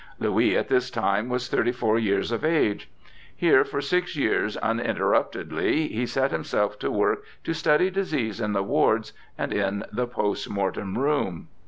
Louis at this time was thirty four years of age. Here for six years uninterruptedly he set himself to work to study disease in the wards and in the post mortem room.